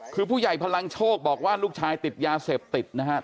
คือผู้ใหญ่พลังโชคบอกว่าลูกชายติดยาเสพติดนะครับ